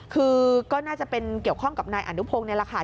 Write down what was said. คือก็น่าจะเป็นเกี่ยวข้องกับนายอนุพงในราคา